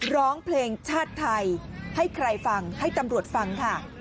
ร้องเพลงชาติไทยให้ใครฟังให้ตำรวจฟังค่ะ